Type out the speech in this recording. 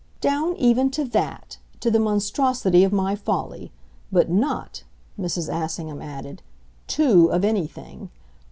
"Down even to THAT to the monstrosity of my folly. But not," Mrs. Assingham added, "'two' of anything.